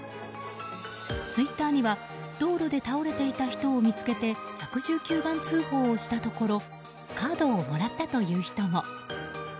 ツイッターには道路で倒れていた人を見つけて１１９番通報をしたところカードをもらったという人も。